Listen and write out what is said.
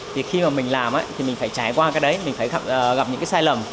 thì khi mà mình làm thì mình phải trải qua cái đấy mình phải gặp những cái sai lầm